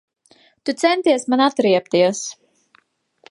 Tu centies man atriebties.